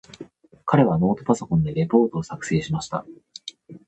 彼はノートパソコンでレポートを作成しました。